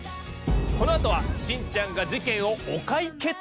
このあとはしんちゃんが事件をお解決！？